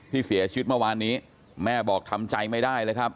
เสียชีวิตเมื่อวานนี้แม่บอกทำใจไม่ได้เลยครับ